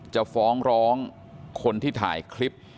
จะฟ้องร้องคนที่ถ่ายคลิป